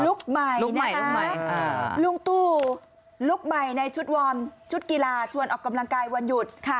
ลุคใหม่รู้ไหมลุงตู้ลุคใหม่ในชุดวอร์มชุดกีฬาชวนออกกำลังกายวันหยุด